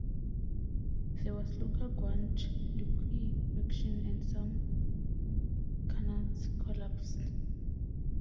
There was local ground liquefaction and some qanats collapsed.